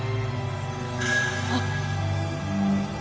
あっ！